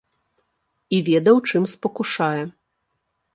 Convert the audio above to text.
І ведаў, чым спакушае.